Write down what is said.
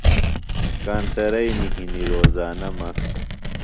کانترئینی ہِنیۡ روزانہ مہ۔